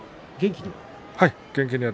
元気には？